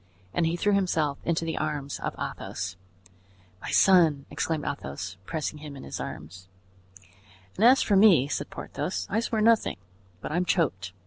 And he threw himself into the arms of Athos. "My son!" exclaimed Athos, pressing him in his arms. "And as for me," said Porthos, "I swear nothing, but I'm choked.